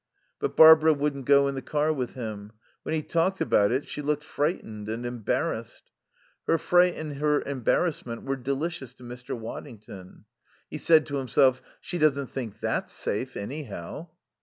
But Barbara wouldn't go in the car with him. When he talked about it she looked frightened and embarrassed. Her fright and her embarrassment were delicious to Mr. Waddington. He said to himself: "She doesn't think that's safe, anyhow."